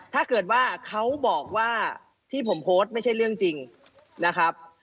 ถ้าเกิดว่าเขาบอกว่าที่ผมโพสต์ไม่ใช่เรื่องจริงนะครับ